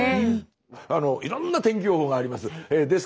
いろんな天気予報があります。